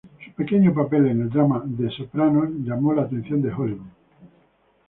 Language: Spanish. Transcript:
Su pequeño papel en el drama "The Sopranos" llamó la atención de Hollywood.